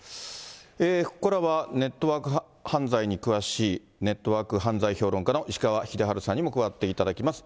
ここからはネットワーク犯罪に詳しい、ネットワーク犯罪評論家の石川英治さんにも加わっていただきます。